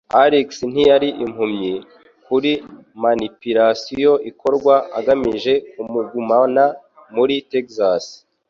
Alex ntiyari impumyi kuri manipulation ikorwa agamije kumugumana muri Texas.